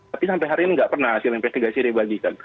tapi sampai hari ini nggak pernah hasil investigasi dibagikan